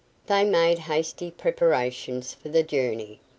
They made hasty preparations for the journey.